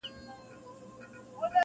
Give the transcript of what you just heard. چا ته به یې نه ګټه نه تاوان ورسیږي -